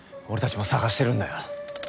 俺たちも捜してるんだよ。